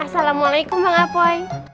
assalamualaikum bang apoy